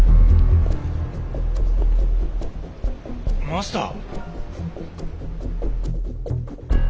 マスター。